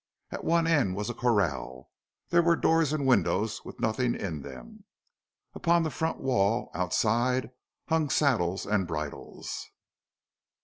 At one end was a corral. There were doors and windows with nothing in them. Upon the front wall, outside, hung saddles and bridles.